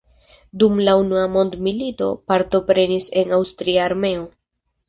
Dum la unua mondmilito partoprenis en aŭstria armeo.